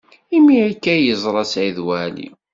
Imi-a kan ay yeẓra Saɛid Waɛli.